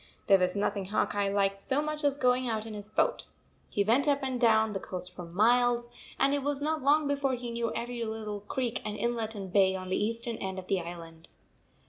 There was nothing Hawk Eye liked so much as going out in his boat. He went up and down the coast for miles, and it was not long before he knew every little creek and inlet and bay on the eastern end of the island.